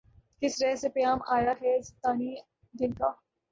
کس رہ سے پیام آیا ہے زندانئ دل کا